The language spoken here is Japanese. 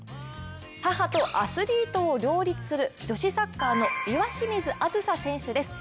母とアスリートを両立する女子サッカーの岩清水梓選手です。